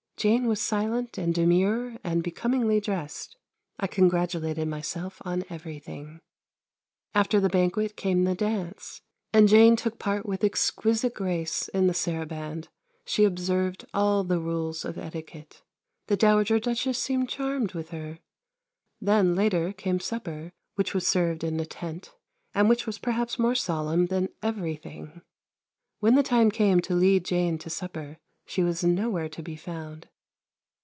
Jane was silent and demure and becomingly dressed. I congratulated myself on everything. After the banquet came the dance, and Jane took part with exquisite grace in the saraband: she observed all the rules of etiquette. The Dowager Duchess seemed charmed with her. Then later came supper, which was served in a tent, and which was perhaps more solemn than everything. When the time came to lead Jane to supper she was nowhere to be found.